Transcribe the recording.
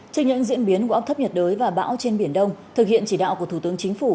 trên những diễn biến của áp thấp nhiệt đới và bão trên biển đông thực hiện chỉ đạo của thủ tướng chính phủ